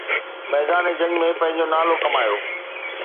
ميدان جنگ ۾ پنهنجو نالو ڪمايو.